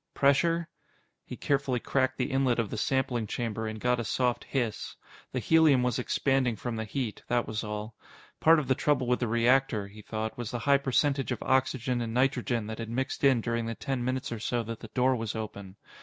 Pressure? He carefully cracked the inlet of the sampling chamber and got a soft hiss. The helium was expanding from the heat, that was all. Part of the trouble with the reactor, he thought, was the high percentage of oxygen and nitrogen that had mixed in during the ten minutes or so that the door was open.